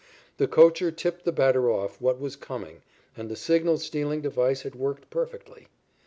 The coacher tipped the batter off what was coming and the signal stealing device had worked perfectly.